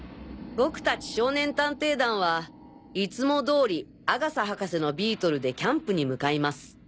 僕達少年探偵団はいつも通り阿笠博士のビートルでキャンプに向かいます。